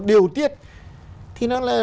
điều tiết thì nó là